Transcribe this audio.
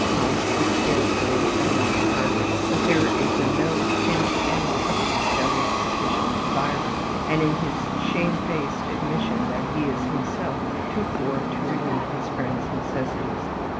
Hunt was care free and light hearted; but there is a note akin to anguish in Shelley's petition to Byron, and in his shamefaced admission that he is himself too poor to relieve his friend's necessities.